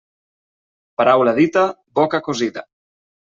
Paraula dita, boca cosida.